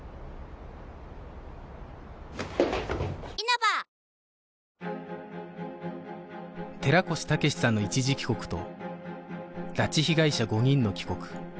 パワーカーブ⁉寺越武志さんの一時帰国と拉致被害者５人の帰国